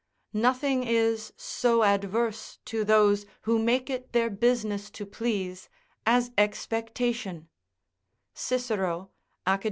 ["Nothing is so adverse to those who make it their business to please as expectation" Cicero, Acad.